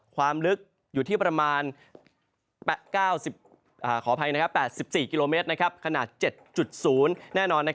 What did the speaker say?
ความลึกอยู่ที่ประมาณ๙ขออภัย๘๔กิโลเมตรขนาด๗๐แน่นอน